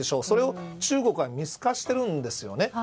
それを多分中国は見透かしているんですよね。